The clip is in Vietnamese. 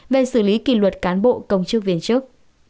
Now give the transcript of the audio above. về xử lý kỷ luật cán bộ công chức viên chức